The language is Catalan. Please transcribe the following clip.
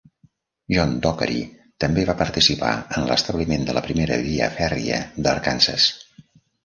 John Dockery també va participar en l'establiment de la primera via fèrria d'Arkansas.